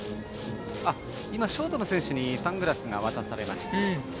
ショートの選手にサングラスが渡されました。